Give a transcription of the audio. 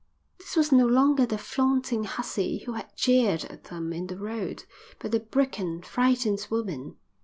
This was no longer the flaunting hussy who had jeered at them in the road, but a broken, frightened woman.